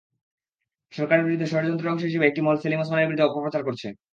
সরকারের বিরুদ্ধে ষড়যন্ত্রের অংশ হিসেবে একটি মহল সেলিম ওসমানের বিরুদ্ধে অপপ্রচার করছে।